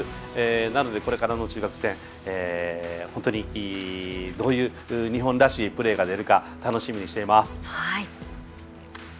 なので、これからの中国戦どういう、日本らしいプレーが出るか楽しみにしています。